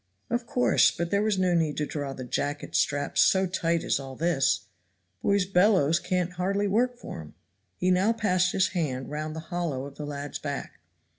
"Of course, but there was no need to draw the jacket straps so tight as all this. Boy's bellows can't hardly work for 'em." He now passed his hand round the hollow of the lad's back.